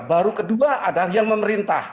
baru kedua ada yang memerintah